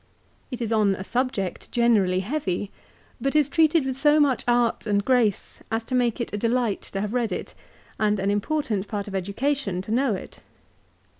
It is on a subject generally heavy, but is treated with so much art and grace as to make it a delight to have read it, and an important part of education to know it.